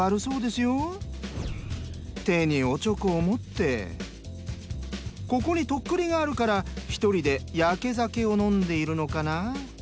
手にお猪口を持ってここに徳利があるから一人でヤケ酒を飲んでいるのかな？